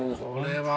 これは。